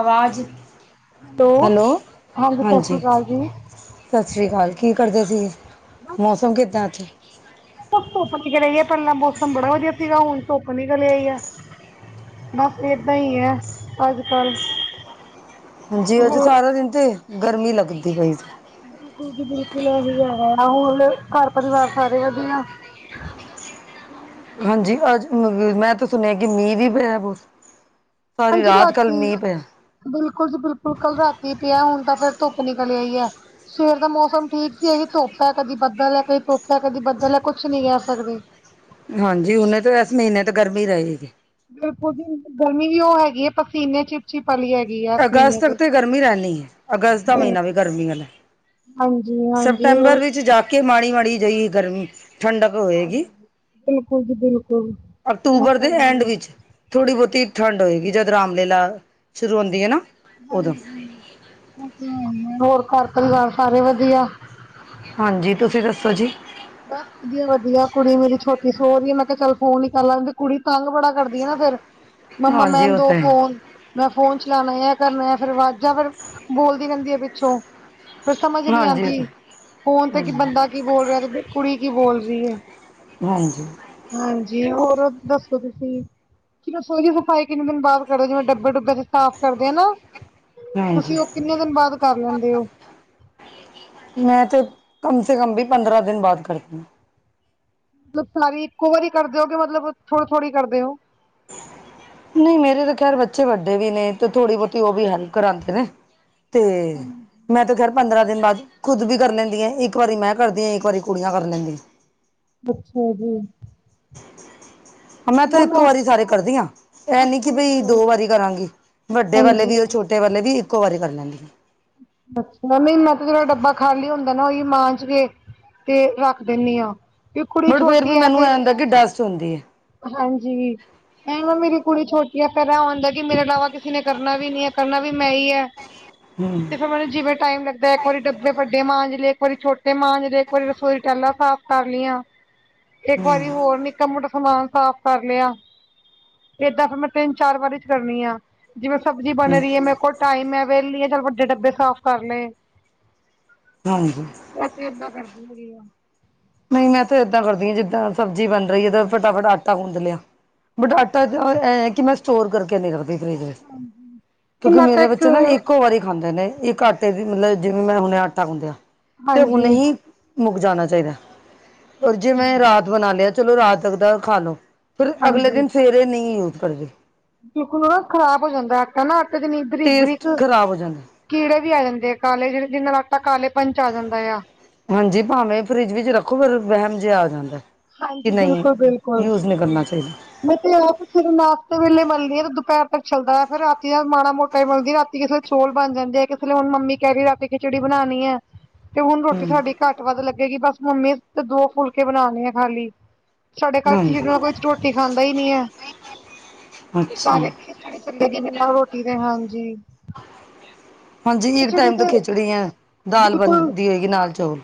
ਅਵਾਜ਼ ਹੈਲੋ ਸਤਿ ਸ਼੍ਰੀ ਹਾਂਜੀ ਅਕਾਲ ਜੀ ਸਤਿ ਸ੍ਰੀ ਅਕਾਲ ਕੀ ਕਰਦੇ ਸੀ ਮੌਸਮ ਕਿੱਦਾਂ ਇਥੇ ਧੁੱਪ ਨਿਕਲ ਆਈ ਆ ਪਹਿਲਾਂ ਮੌਸਮ ਬੜਾ ਵਧੀਆ ਸੀਗਾ ਹੁਣ ਧੁੱਪ ਨਿਕਲ ਆਈ ਆ ਬਸ ਏਦਾਂ ਹੀ ਹੈ ਅੱਜ ਕੱਲ ਹਜੀ ਅੱਜ ਹੋਰ ਸਾਰਾ ਦਿਨ ਤੇ ਗਰਮੀ ਲੱਗਦੀ ਹੋਈ ਬਿਲਕੁਲ ਜੀ ਬਿਲਕੁਲ ਇਹੀ ਹੈਗਾ ਹੋਰ ਘਰ ਪਰਿਵਾਰ ਸਾਰੇ ਵਧੀਆ ਆ ਹਾਂਜੀ ਅੱਜ ਮੈਂ ਤਾਂ ਸੁਣਿਆ ਕੀ ਮੀਂਹ ਵੀ ਪਿਆ ਬਹੁਤ ਸਾਰੀ ਹਾਂਜੀ ਰਾਤ ਕੱਲ ਰਾਤੀ ਮੀਂਹ ਪਿਆ ਬਿਲਕੁਲ ਜੀ ਬਿਲਕੁਲ ਕੱਲ ਰਾਤੀ ਪਿਆ ਹੁਣ ਤਾਂ ਫਿਰ ਧੁੱਪ ਨਿਕਲ ਆਈ ਆ ਸਵੇਰ ਦਾ ਮੌਸਮ ਠੀਕ ਸੀ ਅਹੀ ਧੁੱਪ ਹੈ ਕਦੀ ਬੱਦਲ ਹੈ ਕਦੀ ਧੁੱਪ ਹੈ ਕਦੀ ਬੱਦਲ ਹੈ ਕੁਛ ਨਹੀ ਕਹਿ ਸਕਦੇ ਹਾਂਜੀ ਹੁਣ ਤਾਂ ਇਸ ਮਹੀਨੇ ਤੋਂ ਗਰਮੀ ਰਹੇਗੀ ਬਿਲਕੁਲ ਜੀ ਗਰਮੀ ਵੀ ਉਹ ਹੈਗੀ ਹੈ ਪਸੀਨੇ ਚ ਅਗਸਤ ਤੱਕ ਤੇ ਗਰਮੀ ਰਹਿਣੀ ਹੈ ਅਗਸਤ ਦਾ ਦੇ ਮਹੀਨਾ ਵੀ ਗਰਮੀ ਵਾਲਾ ਏ ਹਾਂਜੀ ਹਾਂਜੀ ਸਪਟੰਬਰ ਉਹ ਵਿੱਚ ਜਾ ਕੇ ਮਾੜੀ ਮਾੜੀ ਜਈ ਗਰਮੀ ਠੰਡਕ ਹੋਏਗੀ ਬਿਲਕੁਲ ਜੀ ਬਿਲਕੁਲ ਉਹ ਅਕਤੂਬਰ ਤਾਂ ਦੇ ਹੈ ਐਂਡ ਵਿੱਚ ਥੋੜ੍ਹੀ ਬਹੁਤੀ ਠੰਡ ਹੋਏਗੀ ਜਦ ਰਾਮ ਲੀਲਾ ਸ਼ੁਰੂ ਹੁੰਦੀ ਹੈ ਨਾ ਉਦੋਂ ਹੋਰ ਘਰ ਪਰਿਵਾਰ ਸਾਰੇ ਵਧੀਆ ਹਾਂਜੀ ਤੁਸੀਂ ਦੱਸੋ ਜੀ ਬਸ ਵਧੀਆ ਵਧੀਆ ਕੁੜੀ ਮੇਰੀ ਛੋਟੀ ਸੌ ਦੀ ਹੈ ਮੈਂ ਕਿਹਾ ਚੱਲ ਫੋਨ ਹੀ ਕਰ ਲੈਂਦੀ ਕੁੜੀ ਤੰਗ ਬੜਾ ਕਰਦੀ ਆ ਨਾ ਫੇਰ ਮੰਮਾ ਮੈ ਹਾਂਜੀ ਉਹ ਦੋ ਤਾਂ ਹੈ ਫੋਨ ਮੈਂ ਫੋਨ ਚਲਾਉਣਾ ਏ ਕਰਨਾ ਆ ਫੇਰ ਆਵਾਜ਼ਾਂ ਫਿਰ ਬੋਲਦੀ ਰਹਿੰਦੀ ਹੈ ਪਿੱਛੋਂ ਫਿਰ ਸਮਝ ਨਹੀਂ ਹਾਂਜੀ ਉਹ ਤਾਂ ਆਉਂਦੀ ਫੋਨ ਤੇ ਹੈ ਕੀ ਬੰਦਾ ਕੀ ਬੋਲ ਰਿਹਾ ਤੇ ਕੁੜੀ ਕੀ ਬੋਲ ਰਹੀ ਹੈ ਹਾਂਜੀ ਹਾਂਜੀ ਹੋਰ ਦੱਸੋ ਤੁਸੀਂ [unintelligible] ਸਫਾਈ ਤਿੰਨ ਦਿਨ ਬਾਅਦ ਕਰਦੇ ਜਿਵੇਂ ਡੱਬੇ ਡੁੱਬੇ ਤੇ ਸਾਫ਼ ਕਰਦੇ ਆ ਨਾ ਹਾਂਜੀ ਤੁਸੀਂ ਉਹ ਕਿੰਨੇ ਦਿਨ ਬਾਅਦ ਕਰ ਲੈਂਦੇ ਹੋ ਮੈਂ ਤੇ ਕਮ ਸੇ ਕਮ ਵੀ ਪੰਦਰਾਂ ਦਿਨ ਬਾਅਦ ਕਰਦੀ ਮਤਲਬ ਸਾਰੀ ਇੱਕੋ ਵਾਰੀ ਕਰਦੇ ਓ ਕੇ ਮਤਲਬ ਥੋੜੀ ਥੋੜ੍ਹੀ ਕਰਦੇ ਹੋ ਹ ਨਹੀਂ ਮੇਰੇ ਤਾਂ ਖੈਰ ਬੱਚੇ ਵੱਡੇ ਵੀ ਨੇ ਤੇ ਥੋੜੀ ਬਹੁਤੀ ਉਹ ਵੀ ਹੈਲਪ ਕਰਾਦੇ ਨੇ। ਤੇ ਮੈਂ ਤੇ ਘਰ ਪੰਦਰਾਂ ਦਿਨ ਬਾਅਦ ਖੁਦ ਵੀ ਕਰ ਲੈਂਦੀ ਏ ਇੱਕ ਵਾਰੀ ਮੈਂ ਕਰਦੀ ਹਾਂ ਇੱਕ ਵਾਰੀ ਕੁੜੀਆਂ ਕਰ ਲੈਂਦੀ ਅੱਛਾ ਜੀ ਮੈਂ ਤੇ ਇੱਕ ਵਾਰੀ ਸਾਰੇ ਕਰਦੀ ਹਾਂ ਇਹ ਨੀ ਕਿ ਅੱਛਾ ਇੱਕ ਬਈ ਦੋ ਵਾਰੀ ਕਰਾਂਗੀ ਵੱਡੇ ਵਾਲੇ ਵੀ ਹਾਂਜੀ ਛੋਟੇ ਵਾਲੇ ਵੀ ਇੱਕੋ ਵਾਰੀ ਕਰ ਲੈਂਦੀ ਆ ਮੈ ਵੀ ਜਿਹੜਾ ਡੱਬਾ ਖਾਲੀ ਹੁੰਦਾ ਨਾ ਉਹੀ ਮਾਂਝ ਕੇ ਤੇ ਰੱਖ ਦਿੰਨੀ ਆਾਂ ਵੀ ਕੁੜੀ ਬਟ ਫੇਰ ਵੀ ਛੋਟੀ ਆ ਮੈਨੂੰ ਫਿਰ ਇਹ ਹੁੰਦਾ ਕਿ ਡਸਟ ਹੁੰਦੀ ਹੈ ਹਾਂਜੀ ਐ ਮੇਰੀ ਕੁੜੀ ਛੋਟੀ ਹੈ ਫੇਰ ਇਹ ਹੁੰਦਾ ਕਿ ਮੇਰੇ ਇਲਾਵਾ ਕਿਸੀ ਨੇ ਕਰਨਾ ਵੀ ਨੀ ਹੈ ਕਰਨਾ ਵੀ ਮੈਂ ਹੀ ਆ। ਹ ਮੈਂਨੂੰ ਜਿਵੇਂ ਟਾਈਮ ਲੱਗਦਾ ਇੱਕ ਵਾਰੀ ਡੱਬੇ ਵੱਡੇ ਮਾਂਜਲੇ ਇੱਕ ਵਾਰੀ ਛੋਟੇ ਮਾਂਜਲੇ ਇੱਕ ਵਾਰੀ ਰਸੋਈ ਟਹਿਲਾ ਸਾਫ਼ ਕਰ ਲਈਆਂ ਇੱਕ ਵਾਰੀ ਹੋਰ ਨ ਮੋਟਾ ਸਮਾਨ ਸਾਫ਼ ਕਰ ਲਿਆ ਏਦਾਂ ਫਿਰ ਮੈਂ ਤਿੰਨ ਚਾਰ ਵਾਰੀ ਚ ਕਰਨੀ ਆ। ਜਿਵੇਂ ਸਬਜ਼ੀ ਬਣ ਹਮ ਰਹੀਏ ਮੇਰੇ ਕੋਲ ਟਾਈਮ ਹੈ ਵੇਹਲੀ ਚਲ ਵੱਡੇ ਡੱਬੇ ਸਾਫ਼ ਕਰ ਲਏ। ਹਾਂਜੀ ਮੈ ਤੇ ਇਦਾਂ ਕਰਦੀ ਹੈਗੀ ਆ। ਨਹੀਂ ਮੈਂ ਤਾਂ ਇੱਦਾਂ ਕਰਦੀ ਹਾਂ ਜਿੱਦਾਂ ਸਬਜ਼ੀ ਬਣ ਰਹੀ ਹੈ ਤੇ ਫਟਾਫਟ ਆਟਾ ਗੁੰਦ ਲਿਆ। ਬਟ ਆਟਾ ਜੋ ਇਹ ਕਿ ਮੈਂ ਸਟੋਰ ਕਰਕੇ ਨੀ ਰੱਖ ਫ੍ਰਿਜ ਵਿਚ ਕਿਉਂਕਿ ਮੈਂ ਤਾਂ ਮੇਰੇ ਇੱਕ ਬੱਚੇ ਨਾ ਇੱਕੋ ਵਾਰੀ ਖਾਂਦੇ ਨੇ ਇੱਕ ਮਤਲਬ ਜਿਵੇਂ ਮੈਂ ਹੁਣੇ ਆਟਾ ਗੁੰਦਿਆ ਤੇ ਹੁਨੇ ਹਾਂਜੀ ਹੀ ਮੁੱਕ ਜਾਣਾ ਚਾਹੀਦਾ। ਔਰ ਜੇ ਮੈਂ ਰਾਤ ਬਣਾ ਲਿਆ ਚਲੋ ਰਾਤ ਤੱਕ ਦਾ ਖਾ ਲੋ, ਫਿਰ ਅਗਲੇ ਦਿਨ ਫੇ ਨੀ ਯੂਜ ਕਰਦੇ। ਦੇਖੋ ਨਾ ਖ਼ਰਾਬ ਹੋ ਜਾਂਦਾ ਆਟਾ ਨਾ ਆਟੇ ਜਨੀ ਬਰੀਕ- ਟੇਸਟ ਬਰੀਕ ਖ਼ਰਾਬ ਹੋ ਜਾਂਦਾ ਕੀੜੇ ਵੀ ਆ ਜਾਂਦੇ ਆ ਕਾਲੇ ਜਿਹੜੇ ਜਿੰਨਾ ਲੱਗਦਾ ਕਾਲੇ ਪੰਚ ਆ ਜਾਂਦਾ ਆ। ਹਾਂਜੀ ਭਾਵੇਂ ਫਰਿਜ ਵਿੱਚ ਰੱਖੋ ਫ ਵਹਿਮ ਜਿਹਾ ਆ ਜਾਂਦਾ। ਕਿ ਹਾਂਜੀ ਨਹੀਂ ਬਿਲਕੁਲ ਬਿਲਕੁਲ ਯੂਜ ਨੀ ਕਰਨਾ ਚਾਹੀਦਾ। ਮੈਂ ਤੇ ਆਪ ਸਵੇਰੇ ਨਾਸ਼ਤੇ ਵੇਲੇ ਮਲਦੀ ਆ ਦੁਪਹਿਰ ਤੱਕ ਚੱਲਦਾ ਫਿਰ ਰਾਤੀ ਦਾ ਮਾੜਾ ਮੋਟਾ ਹੀ ਮਲਦੀ ਰਾਤੀ ਕਿਸੇ ਚੌਲ ਬਣ ਜਾਂਦੇ ਆ ਕਿਸੇਲੇ ਹੁਣ ਮੰਮੀ ਕਹਿ ਰਹੀ ਰਾ ਖਿਚੜੀ ਬਣਾਣੀ ਹੈ। ਤੇ ਹੁਣ ਰੋਟੀ ਹੂੰ ਸਾਡੀ ਘੱਟ ਵੱਧ ਲੱਗੇਗੀ ਬਸ ਮੰਮੀ ਤੇ ਦੋ ਫੁਲਕੇ ਬਣਾਣੇ ਆ ਖਾਲੀ। ਸਾਡੇ ਘਰ ਖਿਚ ਹਾਂਜੀ ਨਾਲ ਕੋਈ ਰੋਟੀ ਖਾਂਦਾ ਹੀ ਨੀ ਹੈ, ਅੱਛਾ ਸਾਰੇ ਖਿ ਖਿਚੜੀ ਚੱਲੇਗੀ ਬਿਨਾਂ ਰੋਟੀ ਦੇ ਹਾਂਜੀ। ਹਾਂਜੀ ਇੱਕ ਖਿਚੜੀ ਟਾਈਮ ਤੋਂ ਤੇ ਖਿੱਚੜੀ ਆ ਦਾਲ ਬਿਲਕੁਲ ਬਣਦੀ ਹੋਏਗੀ ਨਾਲ ਚੌਲ।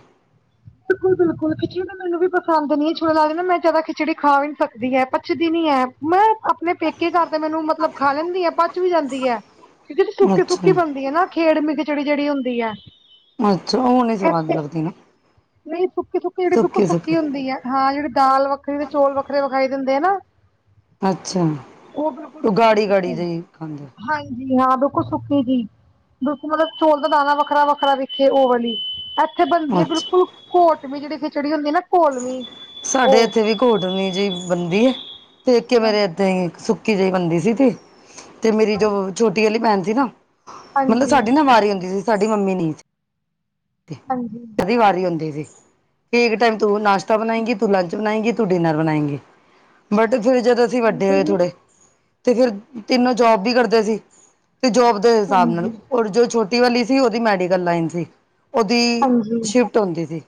ਬਿਲਕੁਲ-ਬਿਲਕੁਲ ਖਿਚੜੀ ਤਾਂ ਮੈਨੂੰ ਵੀ ਪਸੰਦ ਨੀ ਛੋਲ ਦੀ ਮੈਂ ਜਿਆਦਾ ਖਿਚੜੀ ਖਾ ਵੀ ਨੀ ਸਕਦੀ ਹੈ ਪੱੱਚਦੀ ਨੀ ਹੈ। ਮੈਂ ਆਪਨੇ ਪੇਕੇ ਘਰ ਤੇ ਮੈਨੂੰ ਮਤਲਬ ਖਾ ਲੈਂਦੀ ਆ ਪਚ ਵੀ ਜਾਂਦੀ ਆ। ਕਿਉਂਕਿ ਅੱਛਾ ਸੁੱਕੀ-ਸੁੱਕੀ ਬੰਨਦੀ ਆ ਖੇਡਵੀ ਖਿਚੜੀ ਜਿਹੜੀ ਹੁੰਦੀ ਹੈ। ਅੱਛਾ ਉਹ ਨਹੀਂ ਸਵਾਦ ਇੱਥੇ ਲੱਗਦੀ ਨਾ। ਨਹੀਂ ਸੁੱਕੀ-ਸੁੱਕੀ ਜਿਹੜੀ ਬਿਲਕੁਲ ਸੁੱਕੀ ਹੁੰਦੀ ਹੈ ਹਾਂ ਜਿਹੜੀ ਦਾਲ ਵੱਖਰੀ ਤੇ ਚੋਲ ਵੱਖਰੇ ਵਿਖਾਈ ਦਿੰਦੇ ਆ ਨਾ। ਅੱਛਾ ਬਿਲਕੁਲ ਉਹ ਸੁੱਕੀ ਗਾੜੀ-ਗਾੜੀ ਸੁੱਕੀ ਜਾਇ ਖਾਂਦੇ। ਹਾਂਜੀ ਹਾਂ ਬਿਲਕੁਲ ਸੁੱਕੀ ਜੀ। ਦੋ ਮਤਲਬ ਚੋਲ ਦਾ ਦਾਨਾ ਵੱਖਰਾ-ਵੱਖਰਾ ਵਿਖੇ ਉਹਓ ਵਾਲੀ ਇ ਉੱਥੇ ਬਣਦੀ ਹੈ ਅੱਛਾ ਬਿਲਕੁਲ ਕੋਟਵੀ ਜਿੜੇ ਖਿਚੜੀ ਹੁੰਦੀ ਨਾ ਘੋਲਵੀਂ ਸਾਡੇ ਇੱਥੇ ਉਹ ਵੀ ਘੋਟਵੀ ਜਿਹੀ ਬਣਦੀ ਹੈ ਤੇ ਇੱਕ ਮੇਰੇ ਏਦਾਂ ਹੀ ਸੁੱਕੀ ਜਿਹੀ ਬਣਦੀ ਸੀ ਤੇ ਤੇ ਮੇਰੀ ਜੋ ਹਾਂਜੀ, ਛੋਟੀ ਵਾਲੀ ਭੈਣ ਸੀ ਨਾ ਮਤਲਬ ਹਾਂਜੀ, ਸਾਡੀ ਨਾ ਵਾਰੀ ਹੁੰਦੀ ਸੀ। ਸਾਡੀ ਮੰਮੀ ਨੀ [inaudible] ਹਾਂਜੀ ਵਾਰੀ ਹੁੰਦੀ ਸੀ। ਕਿ ਇੱਕ ਟਾਈਮ ਤੂੰ ਨਾਸ਼ਤਾ ਬਣਾਏਗੀ ਤੂੰ ਲੰਚ ਬਣਾਏਗੀ। ਤੂੰ ਡਿਨਰ ਬਣਾਏਂਗੀ ਬਟ ਫਿਰ ਜਦੋਂ ਅਸੀਂ ਵੱਡੇ ਠੀਕ ਹੈ ਹੋਏ ਜੀ ਥੋੜੇ ਤੇ ਫਿਰ ਤਿੰਨੋ ਜੋਬ ਵੀ ਕਰਦੇ ਸੀ ਤੇ ਜੋਬ ਦੇ ਹਿਸਾਬ ਨਾਲ ਹਾਂਜੀ, ਔਰ ਜੋ ਛੋਟੀ ਵਾਲੀ ਸੀ ਉਹਦੀ ਮੈਡੀਕਲ ਲਾਈਨ ਸੀ ਉਹਦੀ ਹਾਂਜੀ ਸ਼ਿਫਟ ਹੁੰਦੀ ਸੀ।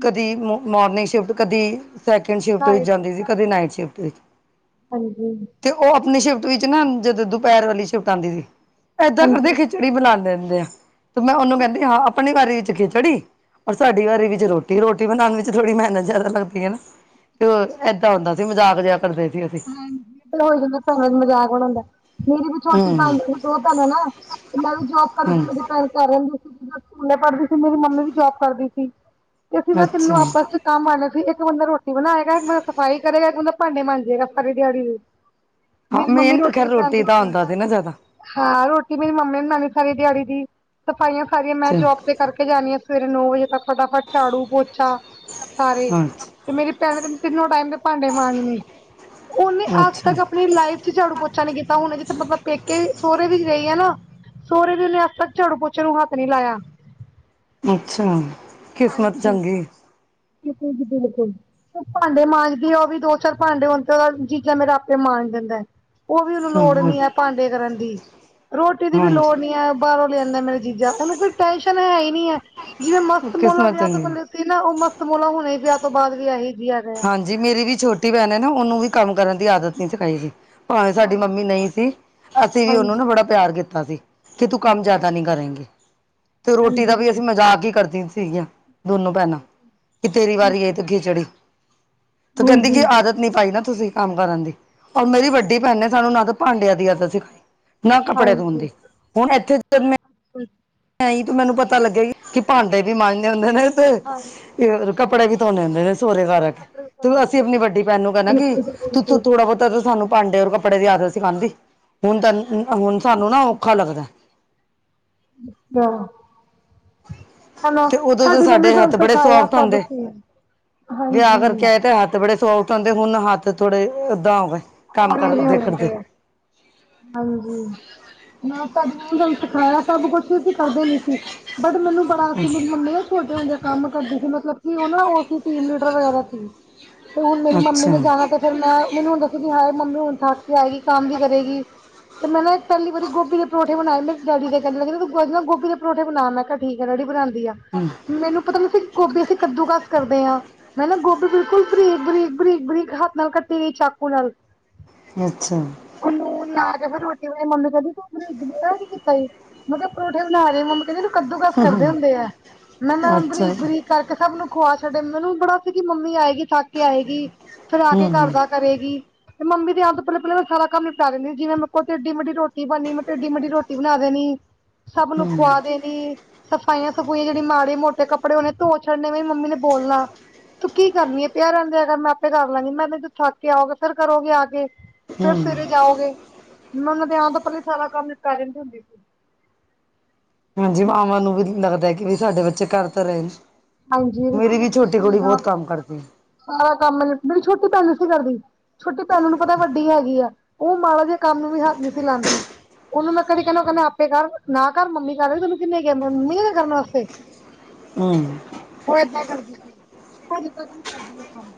ਕਦੀ ਮੋਰਨਿੰਗ ਸ਼ਿਫਟ, ਕਦੀ ਸੈਕਿੰਡ ਸ਼ਿਫਟ ਨਾਏ ਵਿੱਚ ਜਾਂਦੀ ਸੀ ਕਦੇ ਨਾਈਟ ਸ਼ਿਫਟ ਵਿੱਚ। ਹਾਂਜੀ ਤੇ ਉਹ ਆਪਣੀ ਸ਼ਿਫਟ ਵਿੱਚ ਨਾ ਜਦੋਂ ਦੁਪਹਿਰ ਵਾਲੀ ਸ਼ਿਫਟ ਆਦੀ ਸੀ ਇਦਾਂ ਹਾਂਜੀ ਕਰਦੀ ਖਿ ਚੜੀ ਬਣਾ ਦਿੰਦੇ ਆ ਤੇ ਮੈਂ ਉਹਨੂੰ ਕਹਿੰਦੀ ਹਾਂ ਆਪਣੇ ਘਾਰੀ ਵਿੱਚ ਖਿਚੜੀ ਔਰ ਸਾਡੀ ਘਾਰੀ ਵਿੱਚ ਰੋ ਰੋਟੀ ਬਣਾਉਣ ਵਿੱਚ ਥੋੜੀ ਮਿਹਨਤ ਜਿਆਦਾ ਲੱਗਦੀ ਹੈ ਨਾ ਤੇ ਹੋਰ ਇਦਾਂ ਹੁੰਦਾ ਸੀ ਮਜ਼ਾਕ ਜਿਹਾ ਕਰਦੇ ਸੀ ਅਸੀ। [unintelligible] ਮੇਰੀ ਵੀ ਛੋਟੀ ਹਮ ਭਾਂਜੀ ਨੇ ਦੋ ਭੈਣਾਂ ਨਾ। [unintelligible] ਕਰ ਹਮ ਰਹਿੰਦੀ ਸੀ ਜਦ ਸਕੂਲੇ ਪੜ੍ਹਦੀ ਸੀ ਮੇਰੀ ਮੰਮੀ ਵੀ ਜੋਬ ਕਰਦੀ ਸੀ ਤੇ ਅਸੀਂ ਮੈਂ ਤੈਨੂੰ ਅੱਛਾ ਆਪਸ ਚ ਕੰਮ ਆਨ ਸੀ ਇੱਕ ਬੰਦਾ ਰੋਟੀ ਬਣਾਏਗਾ ਇੱਕ ਬੰਦਾ ਸਫ਼ਾਈ ਕਰੇਗਾ ਇੱਕ ਬੰਦਾ ਭਾਂਡੇ ਮਾਂਜੇਗਾ ਸਾਰੀ ਦਿਹਾੜੀ। ਹਾਂ ਮੇਰੀ ਮੰਮੀ ਮੇਨ ਤਾਂ ਰੋਟੀ ਖੈਰ ਬਣਾਉਂਦੀ ਦਾ ਸੀ। ਹੁੰਦਾ ਨਾ ਜ਼ਿਆਦਾ ਹਾਂ, ਰੋਟੀ ਮੇਰੀ ਮੰਮੀ ਨੇ ਬਣਾਣੀ ਸਾਰੀ ਦਿਹਾੜੀ ਦੀ। ਸਫਾਈਆਂ ਸਾਰੀਆਂ ਮੈਂ ਅੱਛਾ ਜੋਬ ਤੇ ਕਰਕੇ ਜਾਣੀ ਆ ਸਵੇਰੇ ਨੌ ਵਜੇ ਤੱਕ ਫਟਾਫਟ ਝਾੜੂ ਪੋਚਾ। ਸਾਰੇ ਹਾਂ, ਤੇ ਮੇਰੀ ਭੈਣ ਕਹਿੰਦੇ ਤਿੰਨੋ ਟਾਈਮ ਦੇ ਭਾਂਡੇ ਮਾਂਜਣੇ। ਉਹਨੇ ਅੱਛਾ ਅੱਜ ਅੱਛਾ ਤੱਕ ਆਪਣੀ ਲਾਈਫ ਚ ਝਾੜੂ ਪੋਚਾ ਨੀ ਕੀਤਾ ਹੁਣ ਜਿੱਥੇ ਮਤਲਬ ਪੇਕੇ ਵੀ ਸੋਹਰੇ ਵੀ ਰਹੀ ਆ ਨਾ। ਸੋਹਰੇ ਵੀ ਓਹਨੇ ਅੱਜ ਤੱਕ ਝਾੜੂ ਪੋਚੇ ਨੂੰ ਹੱਥ ਨੀ ਲਾਇਆ। ਅੱਛਾ, ਕਿਸਮਤ ਹਾਂਜੀ। ਚੰਗੀ। ਬਿਲਕੁਲ ਜੀ ਬਿਲਕੁਲ, ਓ ਭਾਂਡੇ ਮਾਂਜਦੀ ਆ ਓ ਵੀ ਦੋ ਚਾਰ ਭਾਂਡੇ ਹੁੰਦੇ ਜੀਜ਼ਾਂ ਮੇਰਾ ਆਪੇ ਮਾਂਜ ਦਿੰਦਾ। ਉਹ ਵੀ ਉਹਨੂੰ ਲੋੜ ਹਮ ਨੀ ਆ ਭਾਂਡੇ ਕਰਨ ਦੀ ਰੋਟੀ ਦੀ ਵੀ ਲੋੜ ਹਾਂਜੀ ਨੀ ਐ। ਬਾਹਰੋਂ ਲਿਆਦਾ ਮੇਰੀ ਜੀਜ਼ਾਂ ਉਹਨੂੰ ਕੋਈ ਟੈਂਨਸ਼ਨ ਹੈ ਹੀ ਨੀ ਐ ਜਿਵੇਂ ਮਸਤ ਮੋਲਾ ਕਿਸਮਤ ਵਿਆਹ ਤੋਂ ਚੰਗੀ ਪਹਿਲੇ, ਸੀ ਨਾ। ਉਹ ਮਸਤਮੋਲਾ ਹੁਣ ਵਿਆਹ ਤੋਂ ਬਾਅਦ ਵੀ ਐਹੀ ਜੀ ਐ। ਹਾਂਜੀ, ਮੇਰੀ ਵੀ ਛੋਟੀ ਭੈਣ ਆ ਨਾ ਉਹਨੂੰ ਵੀ ਕੰਮ ਕਰਨ ਦੀ ਆਦਤ ਨੀ ਸਕਾਈ ਸੀ। ਭਾਵੇਂ ਸਾਡੀ ਮੰਮੀ ਨਹੀਂ ਸੀ ਅਸੀਂ ਵੀ ਉਹਨੂੰ ਨਾ ਬੜਾ ਪਿਆਰ ਕੀਤਾ ਸੀ। ਕਿ ਤੂੰ ਕੰਮ ਜ਼ਿਆਦਾ ਨੀ ਕਰੇਗੀ ਤੇ ਰੋਟੀ ਦਾ ਵੀ ਅਸੀਂ ਮਤਲਬ ਆਪ ਹੀ ਕਰਦੀਆਂ ਸੀਗੀਆਂ। ਦੋਨੋ ਭੈਣਾਂ ਕਿ ਤੇਰੀ ਵਾਰੀ ਆ ਤੇ ਖਿੱਚੜੀ ਤੇ ਓ ਕਹਿੰਦੀ ਕਿ ਆਦਤ ਨੀ ਪਾਈ ਨਾ ਤੁਸੀਂ ਕੰਮ ਕਰਨ ਦੀ ਔਰ ਮੇਰੀ ਵੱਡੀ ਭੈਣ ਨੇ ਸਾਨੂੰ ਨਾ ਭਾਂਡਿਆਂ ਦੀ ਆਦਤ ਸਿਖਾਈ ਨਾ ਕੱਪੜੇ ਧੋਣ ਦੀ ਹੁਣ ਇੱਥੇ ਤੇ ਮੈਂ [inaudible] ਐਈ ਤੂੰ ਮੈਨੂੰ ਪਤਾ ਲਾਗਿਆ ਕਿ ਭਾਂਡੇ ਵੀ ਮਾਂਜਨੇ ਹੁੰਦੇ ਨੇ ਤੇ ਕੱਪੜੇ ਵੀ ਧੋਣੇ ਹੁੰਦੇ ਨੇ ਸਹੁਰੇ ਘਰ ਆ ਕੇ ਤੇ ਅਸੀਂ ਆਪਣੀ ਵੱਡੀ ਭੈਣ ਨੂੰ ਕਹਿਣਾ ਕਿ ਬਿਲਕੁਲ ਜੀ ਬਿਲਕੁਲ ਥੋੜਾ ਬਹੁਤਾ ਸਾਨੂੰ ਭਾਂਡੇ ਔਰ ਕੱਪੜੇ ਦੀ ਆਦਤ ਸਿਖਾਂਦੀ ਹੁਣ ਤਾਂ ਹੁਣ ਸਾਨੂੰ ਨਾ ਔਖਾ ਲੱਗਦਾ। [inaudible] ਹੈਲੋ, ਤੇ ਉਦੋਂ ਤਾਂ ਸਾਡੀ ਮੰਮੀ ਸਾਡੇ ਸਾਨੂੰ ਹੱਥ ਬੜੇ ਸਿਖਾਇਆ ਸੌਫਟ ਸਭ ਹੁੰਦੇ ਚੀਜ਼ ਵਿਆਹ ਹਾਂਜੀ। ਕਰਕੇ ਆਏ ਤੇ ਹੱਥ ਬੜੇ ਸੋਫਟ ਹੁੰਦੇ ਹੁਣ ਹੱਥ ਥੋੜੇ ਏਦਾਂ ਹੋਗੇ। [unintelligible] ਹਾਂਜੀ, ਮੈਂ ਤੁਹਾਡੀ ਤੁਹਾਨੂੰ ਸਿਖਾਇਆ ਸਭ ਕੁਛ। ਸੀਂ ਕਰਦੇ ਨੀ ਸੀ ਬਟ ਮੈਨੂੰ ਬੜਾ ਸੀ ਮੇਰੀ ਮੰਮੀ ਨਾ ਛੋਟੇ ਹੁੰਦੇ ਕੰਮ ਕਰਦੀ ਸੀ ਮਤਲਬ ਕਿ ਉਹ ਨਾ ਉਹ ਸੀ ਟੀਮ ਲੀਡਰ ਵਗੈਰਾ ਸੀ ਤੇ ਹੁਣ ਮੇਰੀ ਮੰਮੀ ਅੱਛਾ ਨੇ ਜਾਣਾ ਤੇ ਫਿਰ ਮੈਂ [unintelligible] ਹਾਏ ਮੰਮੀ ਹੁਣ ਥੱਕ ਕੇ ਆਏਗੀ ਕੰਮ ਵੀ ਕਰੇਗੀ। ਤੇ ਮੈਂ ਪਹਿਲੀ ਵਾਰੀ ਗੋਭੀ ਪਰੋਠੇ ਬਣਾਏ ਮੇਰੇ ਡੈਡੀ ਕਹਿਣ ਲੱਗੇ ਤੂੰ ਅੱਜ ਗੋਭੀ ਦੇ ਪਰੌਂਠੇ ਬਣਾ ਮੈਂ ਕਿਹਾ ਠੀਕ ਆ ਡੈਡੀ ਬਣਾ। ਹਮ, ਮੈਨੂੰ ਪਤਾ ਨਹੀ ਸੀ ਗੋਭੀ ਅਸੀਂ ਕੱਦੂ ਕਾਸ ਕਰਦੇ ਆਂ। ਮੈਂ ਨਾ ਗੋਭੀ ਬਿਲਕੁਲ ਬਰੀਕ-ਬਰੀਕ, ਬਰੀਕ- ਬਰੀਕ ਹੱਥ ਨਾਲ ਕੱਟੀ ਗਈ ਚਾਕੂ ਨਾਲ ਅੱਛਾ, ਨੂੰਨ ਲਾ ਕੇ ਰੋਟੀ ਬਣਾਈ ਮੰਮੀ ਕਹਿੰਦੀ ਤੂੰ [unintelligible] ਆ ਕੀ ਕੀਤਾ ਈ। ਮਤਲਬ ਪਰੌਠੇ ਬਣਾ ਰਹੇ ਮੰਮੀ ਕਹਿੰਦੀ ਇਨੂੰ ਕੱਦੂ ਕਾਸ ਕਰਦੇ ਹਮ, ਹੁੰਦੇ ਆ ਮੈਂ-ਮੈਂ ਅੱਛਾ ਬਰੀਕ-ਬਰੀਕ ਕਰਕੇ ਸਭ ਨੂੰ ਖੁਆ ਛੱਡੇ ਮੈਨੂੰ ਬੜਾ ਸੀ ਕਿ ਮੰਮੀ ਆਏਗੀ ਥੱਕ ਆਏਗੀ ਫਿਰ ਆ ਕੇ ਘਰ ਹੂੰ ਦਾ ਕਰੇਗੀ। ਤੇ ਮੰਮੀ ਦੇ ਆਉਣ ਪਹਿਲਾਂ ਪਹਿਲਾਂ ਮੈਂ ਸਾਰਾ ਕੰਮ ਨਿਪਟਾ ਦਿੰਦੀ ਜਿਵੇ ਮੇਰੇ ਕੋਲੋਂ ਏਡੀ ਮੇਡੀ ਰੋਟੀ ਬਣੀ ਮੈਂ ਟੇਡੀ ਮੇਡੀ ਰੋਟੀ। ਰੋਟੀ ਬਣਾ ਦੇਣੀ ਸਭ ਨੂੰ ਹੂੰ ਖੁਆ ਦੇਣੀ। ਸਫਾਈਆਂ ਸਫੂਈਆਂ ਜਿਹੜੀ ਮਾੜੇ ਮੋਟੇ ਕੱਪੜੇ ਹੋਣੇ ਧੋ ਛੱਡਨੇ ਮੇਰੀ ਮੰਮੀ ਨੇ ਬੋਲਣਾ। ਤੂੰ ਕੀ ਕਰਨੀ ਆ ਪਿਆ ਰਹਿਣ ਦਿਆ ਕਰ ਮੈਂ ਆਪੇ ਕਰ ਲਾਂਗੀ ਮੈਂ [unintelligible] ਥੱਕ ਕੇ ਆਓਗੇ ਫਿਰ ਕਰੋਗੇ ਆ ਕੇ ਫੇਰ ਹੂੰ ਸਵੇਰੇ ਜਾਓਗੇ ਮੈਂ ਉਹਨਾਂ ਦੇ ਆਣ ਤੋਂ ਪਹਿਲਾਂ ਸਾਰਾ ਕੰਮ ਨਿਪਟਾ ਦਿੰਦੀ ਹੁੰਦੀ ਸੀ। ਹਾਂਜੀ, ਮਾਵਾਂ ਨੂੰ ਵੀ ਲੱਗਦਾ ਕਿ ਵੀ ਸਾਡੇ ਬੱਚੇ ਘਰ ਤਾਂ ਰਹੇ ਹਾਂਜੀ ਮੇਰੀ ਵੀ ਛੋਟੀ ਕੁੜੀ ਬਹੁਤ ਕੰਮ ਕਰਦੀ। ਸਾਰਾ ਕੰਮ ਮੇਰੀ ਛੋਟੀ ਭੈਣ ਨੀ ਸੀ ਕਰਦੀ। ਛੋਟੀ ਭੈਣ ਨੂੰ ਪਤਾ ਵੱਡੀ ਹੈਗੀ ਆ ਉਹ ਮਾੜਾ ਜਿਹੇ ਕੰਮ ਨੂੰ ਵੀ ਹੱਥ ਨਹੀਂ ਸੀ ਲਾਂਦੀ। ਉਹਨੂੰ ਮੈਂ ਕਦੀ ਕਹਿਣਾ ਉਹ ਕਹਿੰਦਾ ਆਪੇ ਕਰ ਨਾ ਕਰ ਮੰਮੀ ਕਰ ਰਹੇ ਤੈਨੂੰ ਕਿੰਨੇ ਕਿਹਾ ਮੰਮੀ ਕਰਨ ਵਾਸਤੇ। ਹੂੰ ਉਹ ਏਦਾਂ ਹੀ ਕਰਦੀ ਸੀ ਉਹ ਜਿੱਦਾਂ ਦਾ ਵੀ ਕਰਦੀ ਕੰਮ।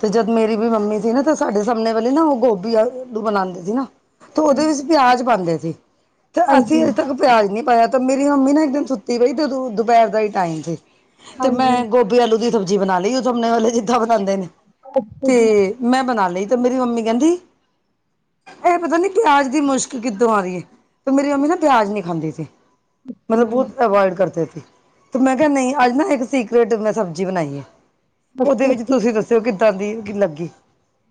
ਤੇ ਜਦ ਮੇਰੀ ਵੀ ਮੰਮੀ ਸੀ ਨਾ, ਤੇ ਸਾਡੇ ਸਾਹਮਣੇ ਵਾਲੀ ਨਾ ਉਹ ਗੋਭੀ ਆਲੂ ਬਣਾਉਂਦੇ ਸੀ ਨਾ। ਤੇ ਉਹਦੇ ਵਿੱਚ ਪਿਆਜ ਪਾਉਂਦੇ ਸੀ ਤੇ ਅਸੀਂ ਅਜੇ ਤੱਕ। ਪਿਆਜ ਨੀ ਪਾਇਆ, ਤੇ ਮੇਰੀ ਮੰਮੀ ਨਾ ਇੱਕ ਦਿਨ ਸੁੱਤੀ ਪਈ ਤੇ ਦੁਪਹਿਰ ਦਾ ਹੀ ਟਾਈਮ ਸੀ ਤੇ ਮੈਂ ਗੋਭੀ। ਗੋਭੀ ਆਲੂ ਦੀ ਸ਼ਬਜੀ ਬਣਾ ਲਈ ਉਹ ਸਾਹਮਣੇ ਵਾਲੇ ਜਿੱਦਾਂ ਬਣਾਉਂਦੇ ਨੇ। [unintelligible] ਤੇ ਮੈਂ ਬਣਾ ਲਈ ਤੇ ਮੇਰੀ ਮੰਮੀ ਕਹਿੰਦੀ। ਇਹ ਪਤਾ ਨੀ ਪਿਆਜ ਦੀ ਮੁਸ਼ਕ ਕਿੱਦਰੋ ਆਂ ਰਹੀ ਹੈ ਏ ਤੇ ਮੇਰੀ ਮੰਮੀ ਨਾ ਪਿਆਜ ਨਹੀਂ ਖਾਂਦੀ ਸੀ। ਮਤਲਬ ਬਹੁਤ ਅਵੋਇਡ ਕਰਦੇ ਸੀ ਤੇ ਮੈਂ ਕਿਹਾ ਨਹੀਂ ਅੱਜ ਨਾ ਇੱਕ ਸੀ। ਬੇਟਰ ਮੈਂ ਸਬਜ਼ੀ ਬਣਾਈ ਆ ਉਹਦੇ ਵਿੱਚ ਤੁਸੀਂ ਦੱਸੋ। ਉਹ ਕਿੱਦਾਂ ਦੀ ਲੱਗੀ?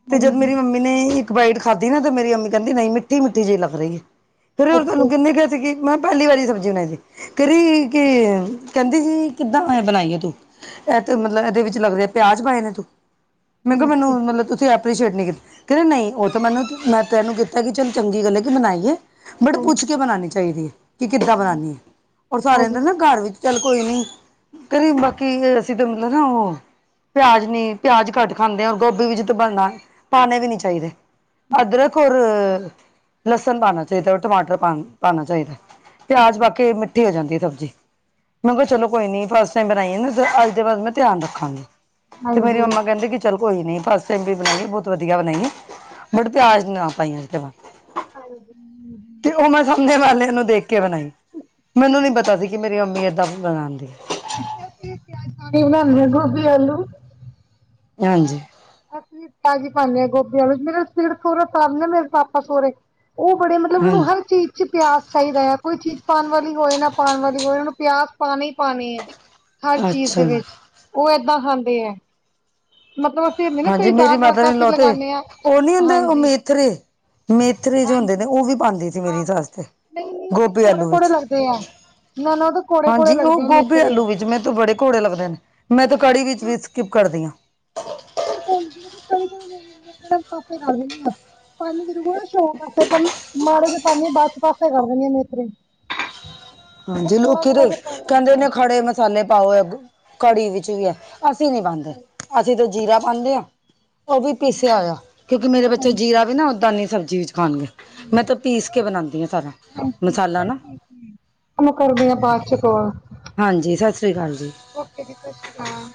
ਤੇ ਜਦ ਮੇਰੀ ਮੰਮੀ। ਮੰਮੀ ਨੇ ਇੱਕ ਬਾਈਟ ਖਾਧੀ ਨਾ ਤੇ ਮੇਰੀ ਮੰਮੀ ਕਹਿੰਦੀ ਨਹੀਂ ਮਿੱਠੀ- ਮਿੱਠੀ ਜਿਹੀ ਲੱਗ ਰਹੀ ਏ। ਫਿਰ ਉਹ ਤੁਹਾਨੂੰ ਕਿੰਨੇ ਕਹੀ ਸੀਗੀ। ਮੈਂ ਕਿਹਾ ਪਹਿਲੀ ਵਾਰੀ ਸਬਜ਼ੀ ਬਣਾਈ ਸੀ, ਕਹੇ ਰਹੀ ਕਿ ਕਹਿੰਦੀ ਸੀ ਕਿੱਦਾਂ ਬਣਾਈ ਆ ਤੂੰ? ਇਹ ਤੇ ਮਤਲਬ ਇਹਦੇ ਵਿੱਚ ਲੱਗਦੇ ਆ ਪਿਆਜ ਪਾਏ ਨੇ ਤੂੰ ਮੈ ਕਿਹਾ ਮੈਨੂੰ ਮਤਲਬ ਤੁਸੀਂ। ਐਪਰੀਸ਼ੀਏਟ ਨਹੀਂ ਕੀਤੀ ਕਹਿੰਦੇ ਨਹੀਂ ਉਹ ਤਾਂ ਮੈਨੂੰ ਮੈਂ ਤੈਨੂੰ ਕੀਤਾ ਕਿ ਚੱਲ ਚੰਗੀ ਗੱਲ ਹੈ ਕਿ ਬਣਾਈ ਏ। ਬਟ ਪੁੱਛ ਕੇ ਬਣਾਈ ਚਾਹੀਦੀ ਹੈ ਕਿ ਕਿੱਦਾਂ ਬਣਾਉਨੀ ਹੈ ਉਹ ਸਾਰਿਆਂ ਦੇ ਨਾ ਘਰ ਵਿੱਚ। ਚੱਲ ਕੋਈ ਨੀ, ਕਦੇ ਬਾਕੀ ਅਸੀਂ ਤਾਂ ਮਤਲਬ ਨਾ ਉਹ ਪਿਆਜ ਨਹੀਂ। ਪਿਆਜ ਘੱਟ ਖਾਂਦੇ ਆ ਗੋਭੀ ਵਿੱਚ ਤਾਂ ਬਣਨਾ ਪਾਉਣੇ ਵੀ ਨੀ ਚਾਹੀਦੇ। ਅਦਰਕ ਔਰ ਲਸਣ ਪਾਣਾ ਚਾਹੀਦਾ ਔਰ ਟਮਾਟਰ ਪਾਣਾ ਚਾਹੀਦਾ। ਪਿਆਜ ਪਾਕੇ ਮਿੱਠੀ ਹੋ ਜਾਂਦੀ ਆ ਸਬਜ਼ੀ। ਮੈਂ ਕਿਹਾ ਚਲੋ ਕੋਈ ਨੀ ਫਸਟ ਟਾਈਮ ਬਣਾਈ ਆ ਨਾ ਅੱਜ ਦੇ ਬਾਦ ਮੈਂ ਧਿਆਨ ਰੱਖਾਂਗੀ ਤੇ ਮੇਰੀ ਮੰਮਾ। ਕਹਿੰਦੇ ਕਿ ਚੱਲ ਕੋਈ ਨੀ ਫਸਟ ਟਾਈਮ ਵੀ ਬਣਾਈਏ ਬਹੁਤ ਵਧੀਆ ਬਣਾਈਏ ਬਟ ਪਿਆਜ ਨਾ ਪਾਈ ਅੱਜ ਦੇ ਬਾਦ। ਹਾਂਜੀ। ਤੇ ਉਹ ਮੈਂ ਸਾਹਮਣੇ ਵਾਲੇ ਨੂੰ ਦੇਖ ਕੇ ਬਣਾਈ। ਮੈਨੂੰ ਨੀ ਪਤਾ ਸੀ ਕਿ ਮੇਰੀ ਅਮੀ ਏਦਾਂ ਵੀ ਬਣਾਦੀ ਐ। ਕਿੰਨੇ ਕ ਪਿਆਜ ਪਾ ਕੇ ਬਣਾਦੇ ਆ ਗੋਭੀ ਆਲੂ? ਹਾਂਜੀ। ਅਸੀਂ ਤਾਜ਼ੀ ਪਾਉਂਦੇ ਹਾਂ ਗੋਭੀ ਆਲੂ ਚ ਮੇਰੇ ਸਿਰ ਸਹੁਰਾ ਤਰਦੇ ਮੇਰੇ ਪਾਪਾ ਸਹੁਰੇ। ਉਹ ਬੜੇ ਮਤਲਬ ਉਹਨੂੰ ਹਾਂਜੀ ਹਰ ਚੀਜ਼। ਵਿੱਚ ਪਿਆਜ ਚਾਹੀਦਾ ਹੈ ਕੋਈ ਚੀਜ਼ ਪਾਉਣ ਵਾਲੀ ਹੋਏ ਨਾ ਪਾਉਣ ਵਾਲੀ ਹੋਏ ਉਹ ਨੂੰ ਪਿਆਜ ਪਾਉਣੇ ਹੀ ਪਾਉਣੇ ਏ। [inaudible] ਹਰ ਚੀਜ਼ ਦੇ ਵਿੱਚ ਉਹ ਏਦਾਂ ਖਾਂਦੇ ਹੈ। ਮਤਲਬ ਅਸੀਂ ਹੁੰਦੇ ਨਾ ਕੋਈ ਹਾਂਜੀ ਜਿਆਦਾ ਮੇਰੀ ਮਦਰ ਤੁੜਕਾ ਇਨ ਅਸੀਂ ਲੋ ਤੇ ਲਗਾਨੇ ਹਾਂ ਉਹ ਨਹੀਂ ਹੁੰਦੇ ਉਹ ਹਾਂਜੀ। ਮੇਥਰੇ ਮੇਥਰੇ ਜੋ ਹੁੰਦੇ ਨੇ ਹਾਂਜੀ, ਉਹ ਵੀ ਪਾਉਂਦੀ ਸੀ ਮੇਰੀ ਆਹੋ, ਸੱਸ ਤੇ ਨਹੀਂ ਉਹ ਤੇ ਗੋਭੀ ਕੋੜੇ- ਆਲੂ ਕੋੜੇ ਵਿੱਚ ਲੱਗਦੇ ਆ। ਨਾ ਨਾ ਉਹ ਤਾਂ। ਹਾਂਜੀ, ਉਹ ਗੋਭੀ ਆਲੂ ਵਿੱਚ ਮੈਨੂੰ ਤੇ ਬੜੇ ਕੋੜੇ ਲੱਗਦੇ ਨੇ ਮੈਂ ਤਾਂ ਕੜੀ ਵਿੱਚ ਵੀ ਸਕਿਪ ਕਰਦੀ ਹਾਂ। ਪਾਸੇ ਲਾ ਦਿੰਦੀ ਹਾਂ ਮਰੇ ਕੋਲ [inaudible] ਪਾਸ ਮਾੜੇ ਤੇ ਪੀ ਬਸ ਪਾਸੇ ਕਰੱਲਣੀ ਆ ਮੇਤਰੇ ਹਾਂਜੀ ਲੋਕੀ ਦੇ ਕਹਿੰਦੇਨ ਖੜੇ ਮਸਾਲੇ ਪਾਓ ਕੜੀ ਵਿੱਚ ਵੀ ਹੈ ਅਸੀਂ ਨਹੀਂ ਪਾਉਦੇ ਅਸੀਂ ਤਾਂ ਜੀਰਾ ਪਾਉਂਦੇ ਹਾਂ ਉਹ ਵੀ ਪੀਸਿਆ ਹੋਇਆ ਕਿਉਂਕਿ ਮੇਰੇ ਬੱਚੇ ਜੀਰਾ ਵੀ ਉਦਾਂ ਨਹੀ ਸਬਜ਼ੀ ਵਿੱਚ ਖਾਣਗੇ। ਮੈਂ ਤਾਂ ਪੀਸ ਕੇ ਬਣਾਉਂਦੀ ਹਾਂ ਸਾਰਾ ਮਸਾਲਾ ਨਾ। ਮੈ ਕਰਦੀ ਆ ਬਾਦ ਚ ਕੋਲ ਹਾਂਜੀ ਸਤਿ ਸ਼੍ਰੀ ਅਕਾਲ ਜੀ ਓਕੇ ਜੀ ਸਤਿ ਸ੍ਰੀ ਅਕਾਲ।